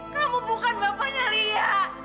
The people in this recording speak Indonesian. kamu bukan bapaknya lya